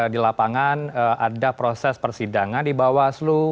di lapangan ada proses persidangan di bawaslu